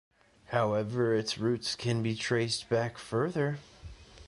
However, its roots can be traced back further.